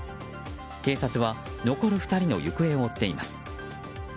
警察は残る２人の行方を追っています。